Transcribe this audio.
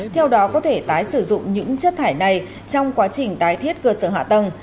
theo đó có thể tái sử dụng những chất thải này trong quá trình tái thiết cơ sở hạ tầng